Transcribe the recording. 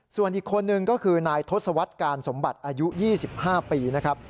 ส่วนอีกคนนึงก็คือนายทศวรรษการสมบัติอายุ๒๕ปีนะครับ